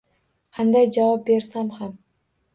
Qanday javob bersam ham.